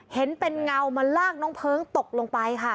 เห็นเป็นเงามาลากน้องเพลิงตกลงไปค่ะ